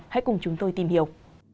hãy cùng chúng tôi tìm hiểu